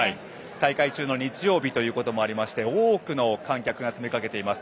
大会中の日曜日ということもありまして多くの観客が詰め掛けています。